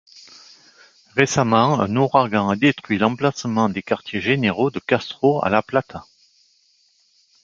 Récemment un ouragan a détruit l'emplacement des quartiers généraux de Castro à La Plata.